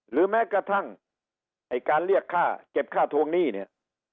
แม้กระทั่งไอ้การเรียกค่าเก็บค่าทวงหนี้เนี่ย